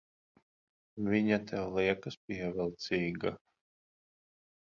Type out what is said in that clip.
Viņa tev liekas pievilcīga?